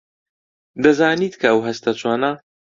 دەزانیت کە ئەو هەستە چۆنە؟